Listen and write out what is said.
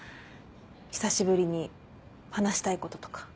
久しぶりに話したいこととか。